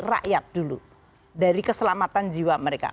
rakyat dulu dari keselamatan jiwa mereka